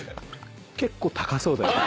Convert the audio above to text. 結構高そうだよね。